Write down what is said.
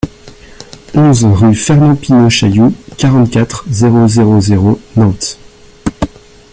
onze rue Fernand Pineau-Chaillou, quarante-quatre, zéro zéro zéro, Nantes